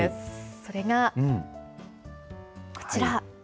それがこちら。